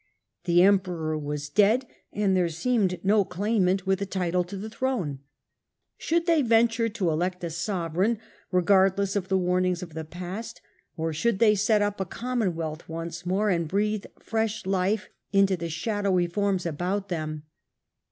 The Emperor was dead, and there seemed no claimant with a title to the throne. Should they venture to elect a sovereign, regardless of the warnings of the past, or should they set up a commonwealth once more, and breathe fresh life into the shadowy forms about them